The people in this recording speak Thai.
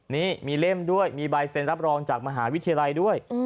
นี่มีเล่มด้วยมีใบเซ็นรับรองจากมหาวิทยาลัยด้วย